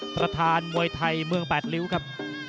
ประธานมวยไทยเมือง๘ริ้วครับ